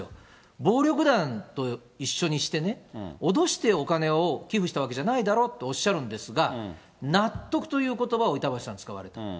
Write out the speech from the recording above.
暴力団と一緒にしてね、脅してお金を寄付したわけじゃないだろうとおっしゃるんですが、納得ということばを板橋さん、使われた。